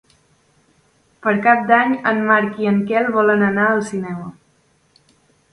Per Cap d'Any en Marc i en Quel volen anar al cinema.